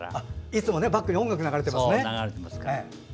いつもバックに音楽が流れていますね。